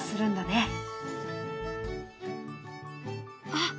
あ！